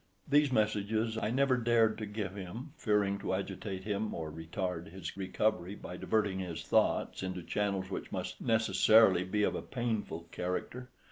These messages I never dared to give him, fearing to agitate him, or retard his recovery by diverting his thoughts into channels which must necessarily be of a painful character.